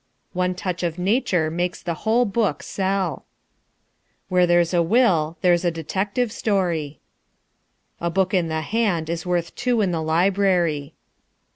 One touch of Nature makes the whole book sell. Where there's a will there's a detective story. A book in the hand is worth two in the library.